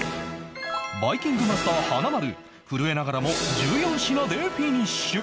バイキングマスター華丸震えながらも１４品でフィニッシュ